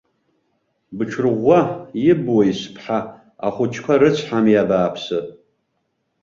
Бҽырӷәӷәа, ибуеи, сыԥҳа, ахәыҷқәа рыцҳами, абааԥсы.